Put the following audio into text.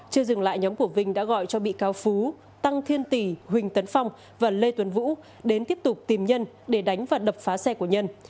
chưa dừng lại nhóm của vinh đã gọi cho bị cáo phú tăng thiên tỷ huỳnh tấn phong và lê tuấn vũ đến tiếp tục tìm nhân để đánh và đập phá xe của nhân